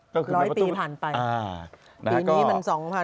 ก็คือเป็นปะทุอ่าปีนี้มัน๒๐๐๐นิตยาหรือเปล่า